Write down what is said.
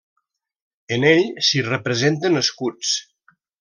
En ell s'hi representen escuts.